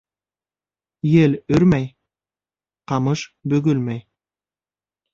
Ел өрмәй ҡамыш бөгөлмәй.